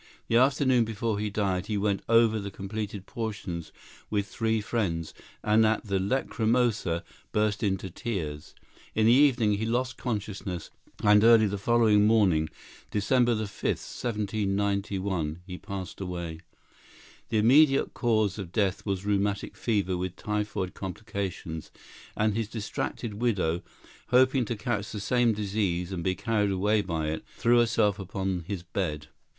The afternoon before he died, he went over the completed portions with three friends, and at the Lachrymosa burst into tears. In the evening he lost consciousness, and early the following morning, December 5, 1791, he passed away. The immediate cause of death was rheumatic fever with typhoid complications, and his distracted widow, hoping to catch the same disease and be carried away by it, threw herself upon his bed.